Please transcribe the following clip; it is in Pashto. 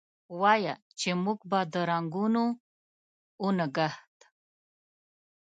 وایه! چې موږ به د رنګونو اونګهت،